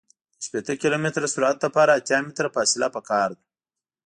د شپیته کیلومتره سرعت لپاره اتیا متره فاصله پکار ده